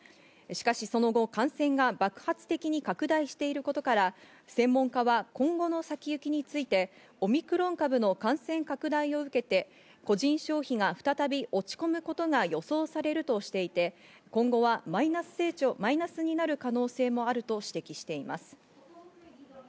しかしその後、感染が爆発的に拡大していることから、専門家は今後の先行きについて、オミクロン株の感染拡大を受けて、個人消費が再び落ち込むことが予想されるとしていて、今後はマイナスになる可能性もあると指摘しています。